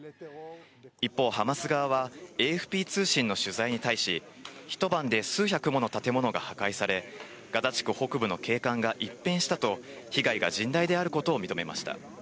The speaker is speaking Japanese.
一方、ハマス側はＡＦＰ通信の取材に対し、一晩で数百もの建物が破壊され、ガザ地区北部の景観が一変したと、被害が甚大であることを認めました。